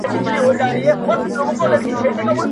ما مي د بابا په هدیره کي ځان لیدلی وو،